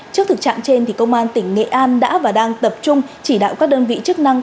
trước thực trạng trên công an tỉnh nghệ an đã và đang tập trung chỉ đạo các đơn vị chức năng